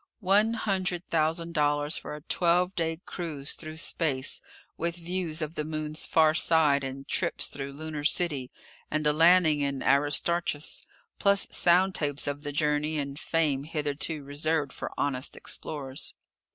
One hundred thousand dollars for a twelve day cruise through space, with views of the Moon's far side and trips through Lunar City and a landing in Aristarchus, plus sound tapes of the journey and fame hitherto reserved for honest explorers!